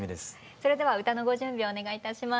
それでは歌のご準備お願いいたします。